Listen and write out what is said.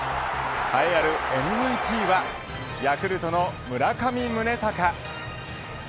栄えあるＭＶＰはヤクルトの村上宗隆。